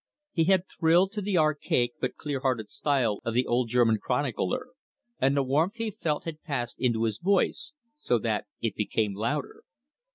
He had thrilled to the archaic but clear hearted style of the old German chronicler, and the warmth he felt had passed into his voice, so that it became louder.